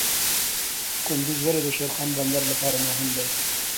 کندز ولې د شیرخان بندر لپاره مهم دی؟